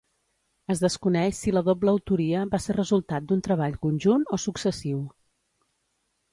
Es desconeix si la doble autoria va ser resultat d'un treball conjunt o successiu.